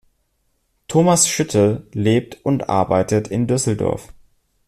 Thomas Schütte lebt und arbeitet in Düsseldorf.